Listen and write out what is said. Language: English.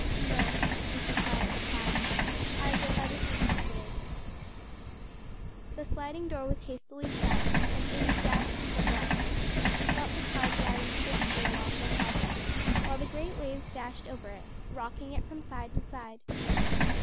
"No," was the quiet reply. "I go by the breeches buoy." The sliding door was hastily shut, and Amy gasped for breath as she felt the car gliding swiftly along the hawser, while the great waves dashed over it, rocking it from side to side.